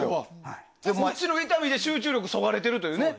腰の痛みで集中力そがれてると。